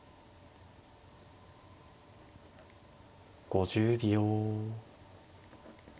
５０秒。